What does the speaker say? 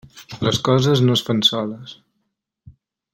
Les coses no es fan soles.